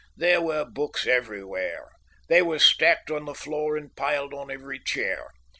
There were books everywhere. They were stacked on the floor and piled on every chair.